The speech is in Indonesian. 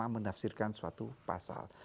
yang sama menafsirkan suatu pasal